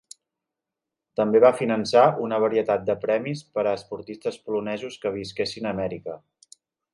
També va finançar una varietat de premis per a esportistes polonesos que visquessin a Amèrica.